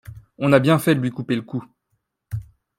On a bien fait de lui couper le cou.